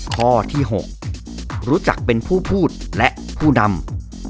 ข้อที่๖รู้จักเป็นผู้พูดและผู้นำ